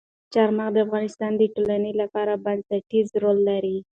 چار مغز د افغانستان د ټولنې لپاره بنسټيز رول لري.